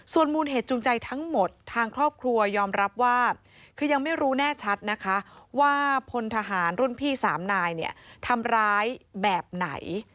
ส่วนมูลเหตุจูงใจทั้งหมดทางครอบครัวยอมรับว่าคือยังไม่รู้แน่ชัดนะคะว่าพลทหารรุ่นพี่๓นายเนี่ยทำร้ายแบบไหน